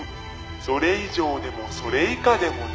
「“それ以上でもそれ以下でもない”」